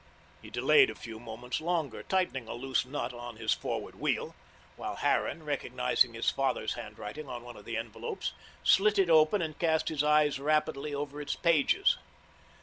He delayed a few moments longer, tightening a loose nut on his forward wheel, while Harran, recognising his father's handwriting on one of the envelopes, slit it open and cast his eye rapidly over its pages.